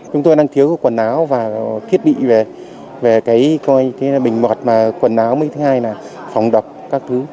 chúng tôi đang thiếu quần áo và thiết bị về cái coi như thế là bình mọt và quần áo mấy thứ hai là phòng đọc các thứ